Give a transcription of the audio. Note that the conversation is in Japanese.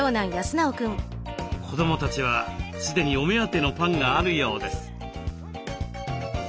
子どもたちはすでにお目当てのパンがあるようです。